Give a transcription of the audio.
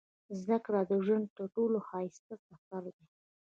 • زده کړه د ژوند تر ټولو ښایسته سفر دی.